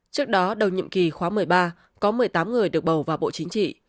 trước đó đầu nhiệm kỳ khóa một mươi ba có một mươi tám người được bầu vào bộ chính trị